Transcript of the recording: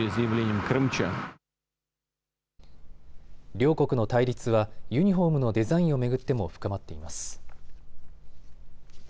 両国の対立はユニフォームのデザインを巡っても深まっています。